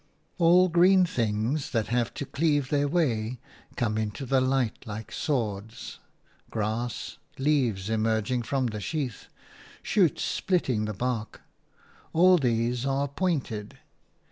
All green things that have to cleave their way come into the light like swords – grass, leaves emerging from the sheath, shoots splitting the bark – all these are pointed.